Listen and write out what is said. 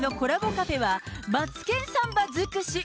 カフェは、マツケンサンバ尽くし。